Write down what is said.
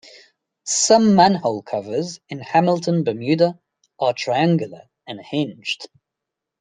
Some manhole covers in Hamilton, Bermuda, are triangular, and hinged.